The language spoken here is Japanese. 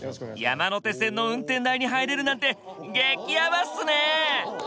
山手線の運転台に入れるなんて激やばっすね！